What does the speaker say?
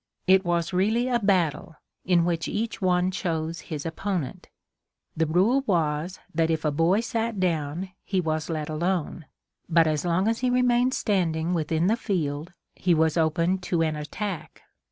It was really a battle, in which each one chose his opponent. The rule was that if a boy sat down, he was let alone, but as long as he remained standing within the field, he was open to an attack.